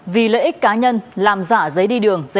vì lợi ích cá nhân làm giả giấy đi đường